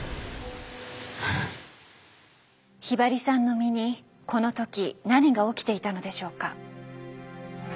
ひばりさんの身にこの時何が起きていたのでしょうか。